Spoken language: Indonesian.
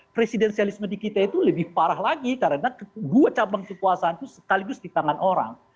presidensialisme di kita itu lebih parah lagi karena dua cabang kekuasaan itu sekaligus di tangan orang